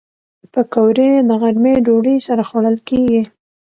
پکورې د غرمې ډوډۍ سره خوړل کېږي